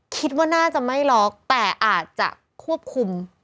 คิดว่าน่าจะไม่ล็อกแต่อาจจะควบคุม